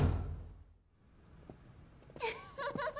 フフフフ！